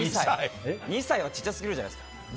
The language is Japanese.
２歳はちっちゃすぎるじゃないですか。